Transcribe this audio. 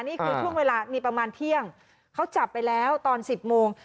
นี่คือช่วงเวลามีประมาณเที่ยงเขาจับไปแล้วตอน๑๐โมง